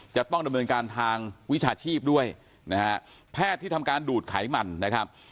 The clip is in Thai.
จะต้องดำเนินการทางวิชาชีพด้วยนะฮะแพทย์ที่ทำการดูดไขมันนะครับ